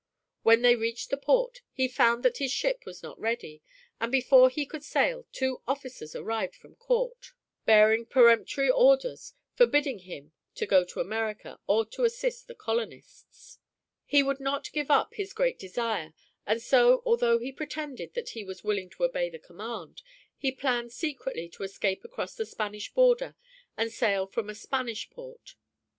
When he reached the port he found that his ship was not ready, and before he could sail two officers arrived from court, bearing peremptory orders forbidding him to go to America or to assist the colonists. [Illustration: LAFAYETTE TELLS OF HIS WISH TO AID AMERICA] He would not give up his great desire, and so although he pretended that he was willing to obey the command, he planned secretly to escape across the Spanish border and sail from a Spanish port.